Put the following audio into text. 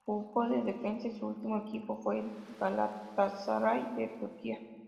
Jugó de defensa y su ultimo equipo fue el Galatasaray de Turquía.